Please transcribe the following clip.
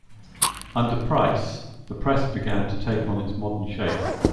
Under Price, the Press began to take on its modern shape.